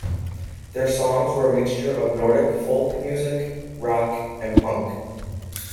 Their songs were a mixture of Nordic folk music, rock and punk.